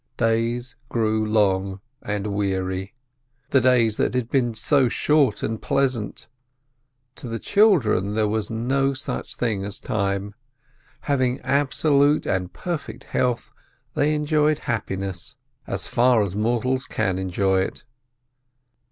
Days grew long and weary, the days that had been so short and pleasant. To the children there was no such thing as time. Having absolute and perfect health, they enjoyed happiness as far as mortals can enjoy it.